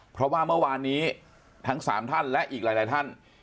เพราะว่าเมื่อวานนี้ทั้ง๓ท่านและอีกหลายท่าน